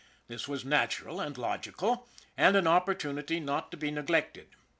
This was natural and logical, and an opportunity not to be neglected.